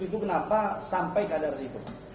itu kenapa sampai keadaan resiko